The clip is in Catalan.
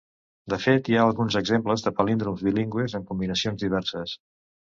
De fet, hi ha alguns exemples de palíndroms bilingües en combinacions diverses.